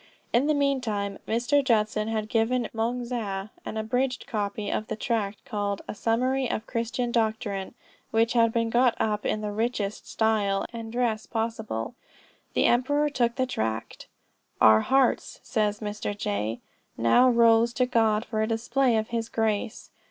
In the meantime Mr. Judson had given Moung Zah an abridged copy of the tract called a "Summary of Christian Doctrine," which had been got up in the richest style and dress possible. The emperor took the tract "Our hearts," says Mr. J., "now rose to God for a display of his grace.